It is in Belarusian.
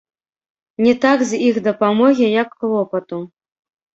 Не так з іх дапамогі, як клопату.